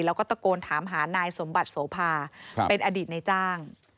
แล้วก็ตะโกนถามหานายสมบัติโสภาเป็นอดีตในจ้าง